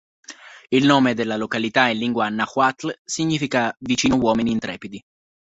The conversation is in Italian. Il nome della località in lingua nahuatl significa "vicino uomini intrepidi".